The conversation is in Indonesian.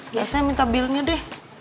biasanya minta bilenya deh